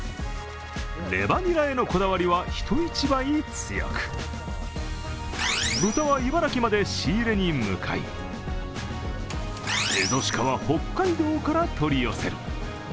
レバニラへのこだわりは人一倍強く、ブタは茨城まで仕入れに向かい、エゾシカは北海道から取り寄せる。